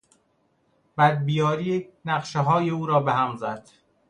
بدبیاری نقشههای او را به هم زد.